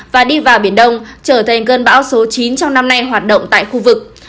và đi vào biển đông trở thành cơn bão số chín trong năm nay hoạt động tại khu vực